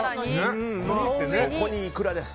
そこに、いくらです。